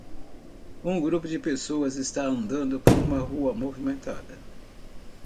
Um grupo de pessoas está andando por uma rua movimentada.